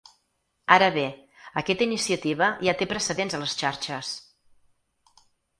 Ara bé, aquesta iniciativa ja té precedents a les xarxes.